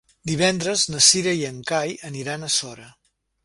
Divendres na Cira i en Cai aniran a Sora.